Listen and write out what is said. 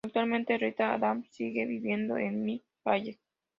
Actualmente, Rita Adams sigue viviendo en Mill Valley.